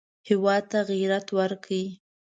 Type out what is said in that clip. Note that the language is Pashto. هېواد ته غیرت ورکړئ